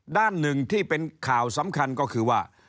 ด้านหนึ่งที่เป็นข่าวสำคัญก็คือว่า